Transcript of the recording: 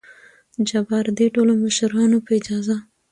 جبار : دې ټولو مشرانو په اجازه!